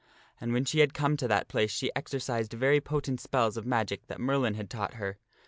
And when she had come to that place she exercises her exercised very potent spells of magic that Merlin had taught ma s ie her.